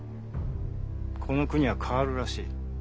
この国は変わるらしい。